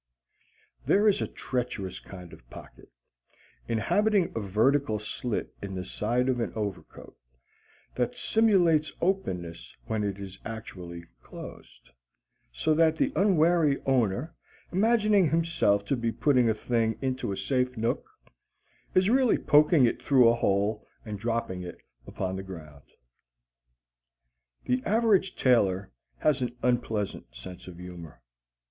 There is a treacherous kind of pocket, inhabiting a vertical slit in the side of an overcoat, that simulates openness when it is actually closed; so that the unwary owner, imagining himself to be putting a thing into a safe nook, is really poking it through a hole and dropping it upon the ground. The average tailor has an unpleasant sense of humor.